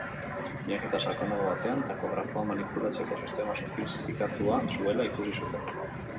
Miaketa sakonago batean, takografoa manipulatzeko sistema sofistikatua zuela ikusi zuten.